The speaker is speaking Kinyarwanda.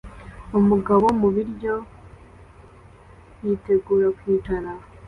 Umugabo mubiryo yitegura kwicara